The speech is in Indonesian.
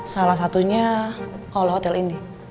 salah satunya kalau hotel ini